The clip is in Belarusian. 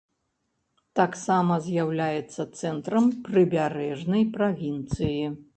Таксама з'яўляецца цэнтрам прыбярэжнай правінцыі.